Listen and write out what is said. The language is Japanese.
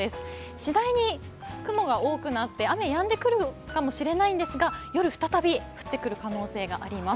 次第に、雲が多くなって雨やんでくるかもしれないんですが夜、再び降ってくる可能性があります。